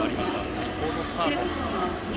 最高のスタート。